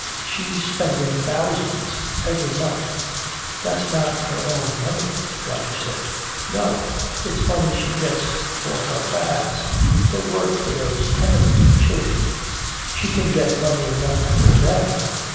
She's spending thousands every month!" "That's not her own money," Roger said. "No it's money she gets for her fads her work for those tenement children! She can get money enough for _them!